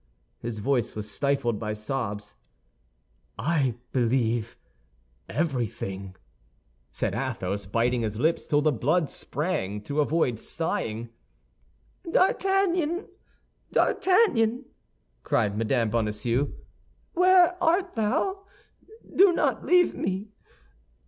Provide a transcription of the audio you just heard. His voice was stifled by sobs. "I believe everything," said Athos, biting his lips till the blood sprang to avoid sighing. "D'Artagnan, D'Artagnan!" cried Mme. Bonacieux, "where art thou? Do not leave me!